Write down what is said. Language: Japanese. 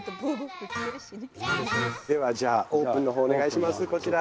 ではじゃあオープンのほうお願いしますこちら。